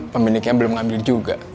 pemiliknya belum ngambil juga